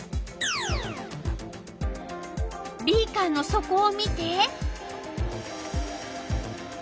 ビーカーのそこを見て。